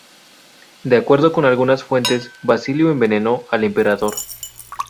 De acuerdo con algunas fuentes, Basilio envenenó al emperador.